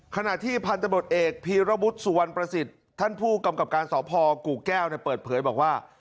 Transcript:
ขณะที่พันธบทเอกพีรวุฒิสุวรรณประสิทธิ์ท่านผู้กำกับการสพกู่แก้วเปิดเผยบอกว่า